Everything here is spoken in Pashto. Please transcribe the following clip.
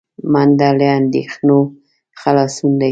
منډه له اندېښنو خلاصون دی